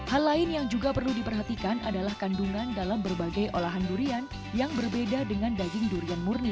hal lain yang juga perlu diperhatikan adalah kandungan dalam berbagai olahan durian yang berbeda dengan daging durian murni